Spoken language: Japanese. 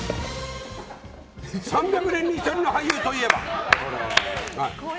３００年に一人の俳優といえば？